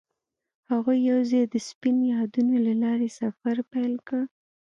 هغوی یوځای د سپین یادونه له لارې سفر پیل کړ.